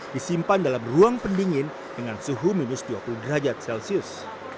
disimpan dalam ruang pendingin dengan suhu minus dua puluh derajat celcius